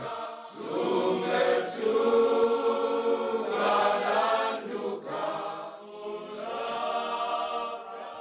sungguh suka dan duka